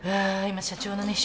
今社長のね